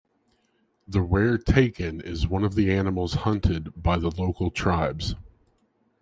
The rare takin is one of the animals hunted by the local tribes.